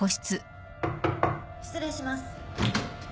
・・失礼します。